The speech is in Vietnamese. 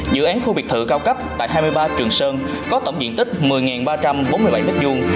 dự án khu biệt thự cao cấp tại hai mươi ba trường sơn có tổng diện tích một mươi ba trăm bốn mươi bảy m hai